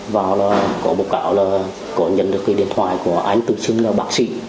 và là có bộ cáo là có nhận được cái điện thoại của anh tự sinh là bác sĩ